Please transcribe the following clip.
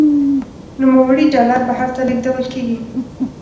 نوموړي ډالر بهر ته لیږدول کیږي.